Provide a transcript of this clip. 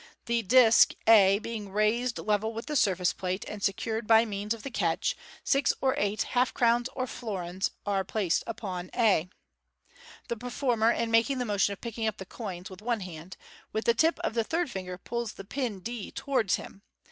The disc a being raised level with the surface plate, and secured by means of the catch, six or eight half crowns or florins are placed on a. The pei former, in making the motion of picking up the coins (with one hand), with the tip of the third finger pulls the pin d towards him.